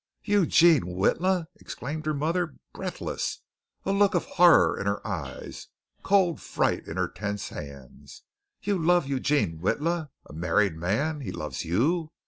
"Eugene Witla!" exclaimed her mother, breathless, a look of horror in her eyes, cold fright in her tense hands. "You love Eugene Witla? a married man! He loves you!